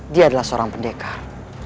dia adalah seorang pendekar